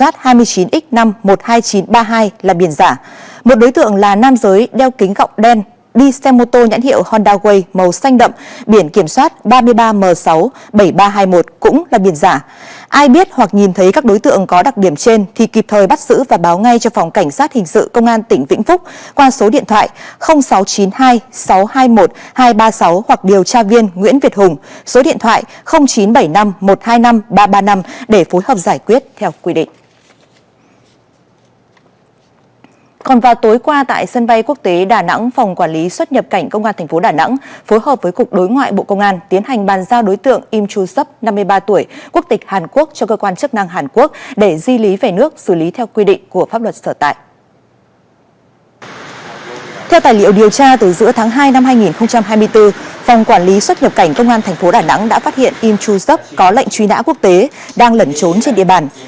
theo tài liệu điều tra từ giữa tháng hai năm hai nghìn hai mươi bốn phòng quản lý xuất nhập cảnh công an thành phố đà nẵng đã phát hiện im chu sấp có lệnh truy nã quốc tế đang lẩn trốn trên địa bàn